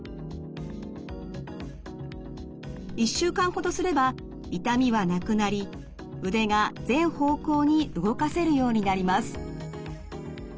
１週間ほどすれば痛みはなくなり腕が全方向に動かせるようになります。